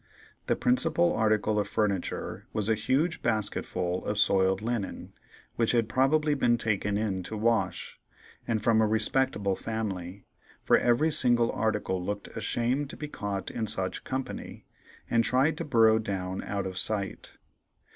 The principal article of furniture was a huge basketful of soiled linen, which had probably been "taken in" to wash, and from a respectable family, for every single article looked ashamed to be caught in such company, and tried to burrow down out of sight.